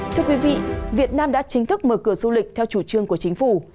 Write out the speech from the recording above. thưa quý vị việt nam đã chính thức mở cửa du lịch theo chủ trương của chính phủ